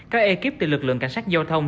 các ekip từ lực lượng cảnh sát giao thông